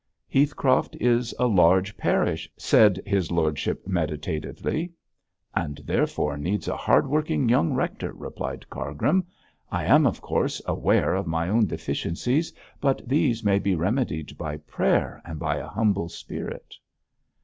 'Heathcroft is a large parish,' said his lordship, meditatively. 'And therefore needs a hard working young rector, replied Cargrim. 'I am, of course, aware of my own deficiencies, but these may be remedied by prayer and by a humble spirit.'